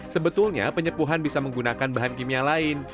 sebetulnya penyepuhan bisa menggunakan bahan kimia lain